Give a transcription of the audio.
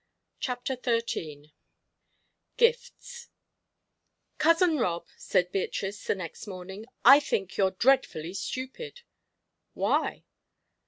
CHAPTER XIII GIFTS "Cousin Rob," said Beatrice, the next morning, "I think you're dreadfully stupid." "Why?"